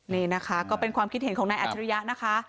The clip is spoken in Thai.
นี่นะคะก็เป็นความคิดเห็นของนายอัจฉริยะนะคะ